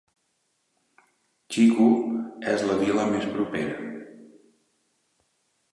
Chico és la vila més propera.